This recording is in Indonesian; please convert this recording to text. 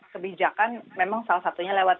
kebijakan memang salah satunya lewat